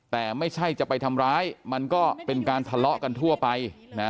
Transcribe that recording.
แต่ไม่ใช่จะไปทำร้ายมันก็เป็นการทะเลาะกันทั่วไป